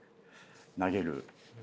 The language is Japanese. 投げる。